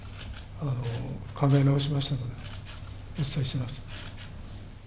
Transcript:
考え直しましたので、お伝えします。